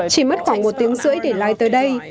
chỉ mất khoảng một tiếng rưỡi để lại tới đây